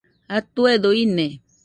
Atuedo ine